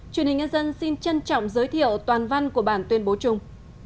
truyền hình nhân dân xin trân trọng giới thiệu toàn văn của bản tuyên bố chung